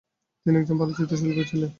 তিনি একজন ভালো চিত্রশিল্পীও ছিলেন।